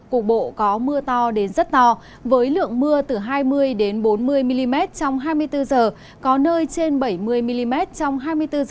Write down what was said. cục bộ có mưa to đến rất to với lượng mưa từ hai mươi bốn mươi mm trong hai mươi bốn h có nơi trên bảy mươi mm trong hai mươi bốn h